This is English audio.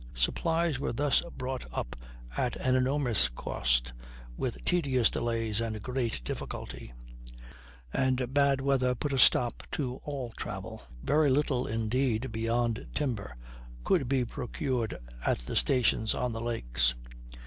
Supplies were thus brought up at an enormous cost, with tedious delays and great difficulty; and bad weather put a stop to all travel. Very little indeed, beyond timber, could be procured at the stations on the lakes.